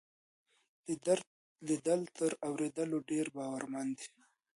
ليدل تر اورېدلو ډېر باورمن وي.